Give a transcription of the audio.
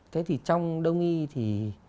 thế thì trong đông y thì